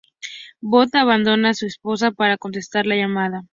Bob abandona a su esposa para contestar la llamada.